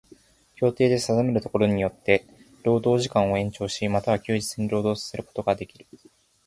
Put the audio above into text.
協定で定めるところによつて労働時間を延長し、又は休日に労働させることができる。